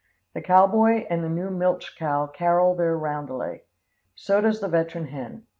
The cowboy and the new milch cow carol their roundelay. So does the veteran hen.